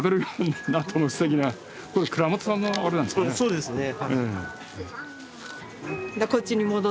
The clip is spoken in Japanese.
そうですね。